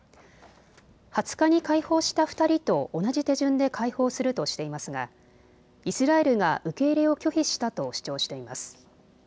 ２０日に解放した２人と同じ手順で解放するとしていますがイスラエルが受け入れを拒否したと主張しています。